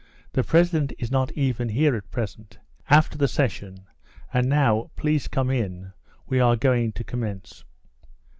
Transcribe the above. The president is not even here at present. After the session! And now please come in; we are going to commence."